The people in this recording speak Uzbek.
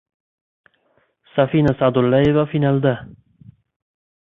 Cafina Sadullayeva finalda